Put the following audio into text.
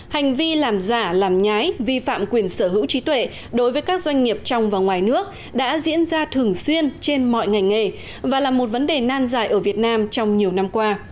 hành vi làm giả làm nhái vi phạm quyền sở hữu trí tuệ đối với các doanh nghiệp trong và ngoài nước đã diễn ra thường xuyên trên mọi ngành nghề và là một vấn đề nan dài ở việt nam trong nhiều năm qua